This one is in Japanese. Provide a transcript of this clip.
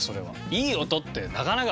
いい音ってなかなか。